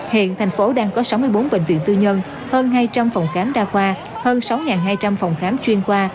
hiện thành phố đang có sáu mươi bốn bệnh viện tư nhân hơn hai trăm linh phòng khám đa khoa hơn sáu hai trăm linh phòng khám chuyên khoa